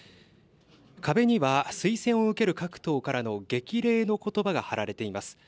壁には、推薦を受ける各党からの激励のことばが貼られています。